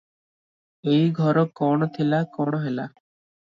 ଏଇ ଘର କଣ ଥିଲା, କଣ ହେଲା ।